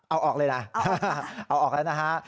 เอาออกเลยนะ